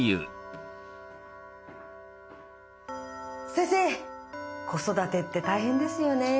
先生子育てって大変ですよね。